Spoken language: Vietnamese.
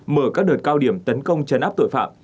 mở các đợt cao điểm tấn công chấn áp tội phạm